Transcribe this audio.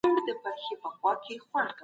هغه څوک چې ناروغه وي، باید ډېر خوب وکړي.